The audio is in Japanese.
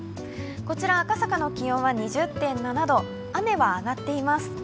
こちら赤坂の気温は２０．７度、雨はあがっています。